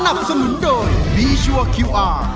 สนับสนุนโดยบีชัวร์คิวอาร์